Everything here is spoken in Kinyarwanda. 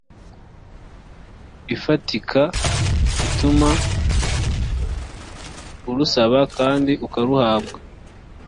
ifatika ituma arusaba kandi akaruhabwa